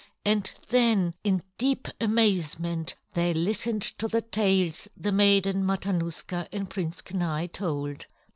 And then, in deep amazement, they listened to the tales the Maiden Matanuska and Prince Kenai told.